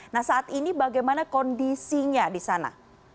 nah saat ini bagaimana kondisinya di sana